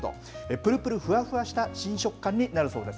ぷるぷるふわふわした新食感になるそうです。